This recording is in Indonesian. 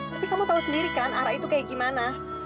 tapi kamu tau sendiri kan arah itu kayak gimana